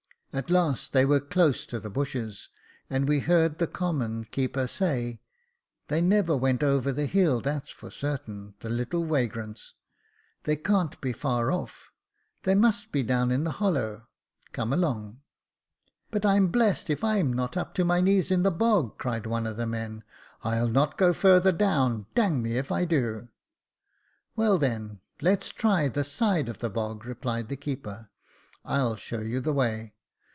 At last they were close to the bushes, and we heard the common keeper say, " They never went over the hill, that's for certain, the little wagrants ; they can't be far off — they must be down in the hollow. Come along." But I'm blessed if I'm not up to my knees in the bog," cried one of the men ;" I'll not go further down, dang me if I do." Well, then let's try the side of the bog," replied the keeper. "I'll show you the way."